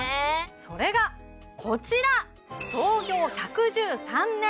それがこちら創業１１３年